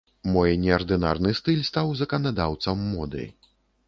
Мой неардынарны стыль стаў заканадаўцам моды.